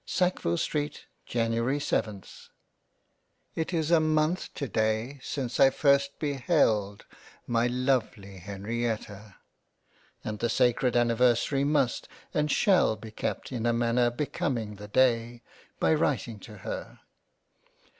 Sackville St: Jan:ry 7th It is a month to day since I first beheld my lovely Hen rietta, and the sacred anniversary must and shall be kept in a manner becoming the day — by writing to her.